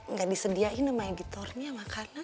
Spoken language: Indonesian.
nggak disediain sama editornya makanan